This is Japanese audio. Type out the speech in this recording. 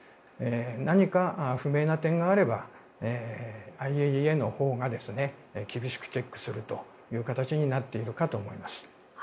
何か不明な点があればＩＡＥＡのほうが厳しくチェックするという形になっていると思います。